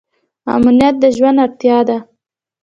امنیت د ژوند اړتیا ده